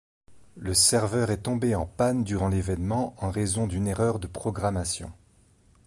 Le serveur est tombé en panne durant l’événement en raison d’une erreur de programmation.